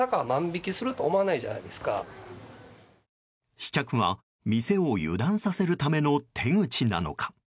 試着は、店を油断させるための手口なのか。